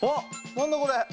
何だこれ！